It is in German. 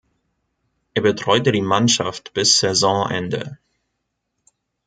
Er betreute die Mannschaft bis Saisonende.